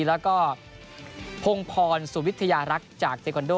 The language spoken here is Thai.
แล้วก็พงพรสุวิทยารักษ์จากเทคอนโด